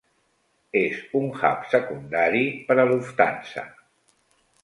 És un hub secundari per a Lufthansa.